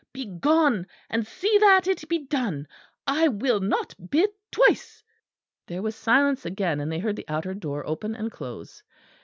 Be gone, and see that it be done; I will not bid twice." There was silence again; and they heard the outer door open and close.